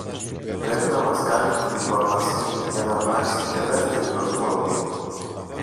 Πρέπει να μας κάνει την πρόταση, για ν' αρπάξει και δεύτερη προσβολή!